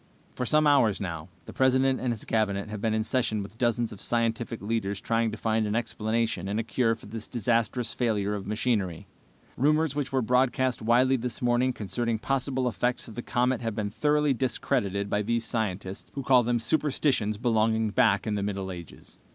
"For some hours now, the President and his Cabinet have been in session with dozens of scientific leaders trying to find an explanation and a cure for this disastrous failure of machinery. Rumors which were broadcast widely this morning concerning possible effects of the comet have been thoroughly discredited by these scientists, who call them superstitions belonging back in the Middle Ages.